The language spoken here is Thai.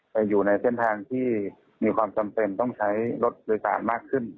อยู่ในเส้นทางที่มีความจำเป็นต้องใช้รถโดยสารมากขึ้น